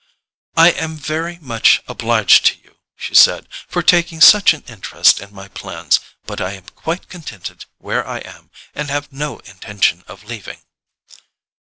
"I am very much obliged to you," she said, "for taking such an interest in my plans; but I am quite contented where I am, and have no intention of leaving."